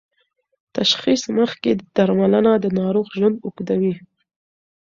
تشخیص مخکې درملنه د ناروغ ژوند اوږدوي.